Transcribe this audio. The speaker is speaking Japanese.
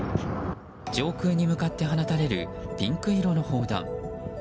上空に向かって放たれるピンク色の砲弾。